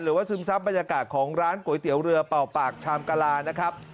ซึมซับบรรยากาศของร้านก๋วยเตี๋ยวเรือเป่าปากชามกะลานะครับ